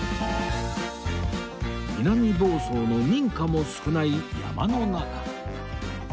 南房総の民家も少ない山の中